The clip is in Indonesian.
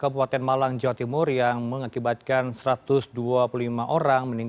bisa mungkin sekedar egg